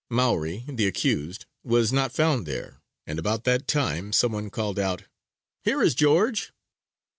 Maury, the accused, was not found there, and about that time some one called out, "Here is George."